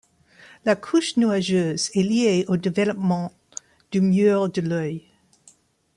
La couche nuageuse est liée au développement du mur de l'œil.